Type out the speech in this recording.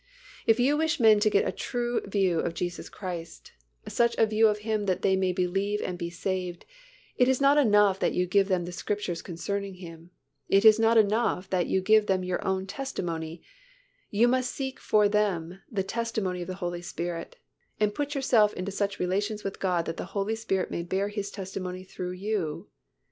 If you wish men to get a true view of Jesus Christ, such a view of Him that they may believe and be saved, it is not enough that you give them the Scriptures concerning Him; it is not enough that you give them your own testimony, you must seek for them the testimony of the Holy Spirit and put yourself into such relations with God that the Holy Spirit may bear His testimony through you.